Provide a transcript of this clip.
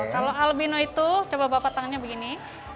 kalau albino itu coba bapak tangannya begini